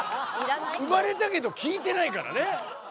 生まれたけど聴いてないからね。